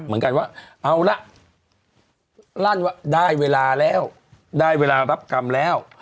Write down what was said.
เหมือนกันว่าเอาละลั่นว่าได้เวลาแล้วได้เวลารับกรรมแล้ว